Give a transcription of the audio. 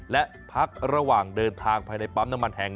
และพักระหว่างเดินทางภายในปั๊มน้ำมันแห่ง